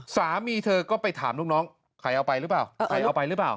สามีเธอก็ไปถามลูกน้องใครเอาไปหรือเปล่า